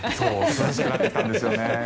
涼しくなってきたんですよね。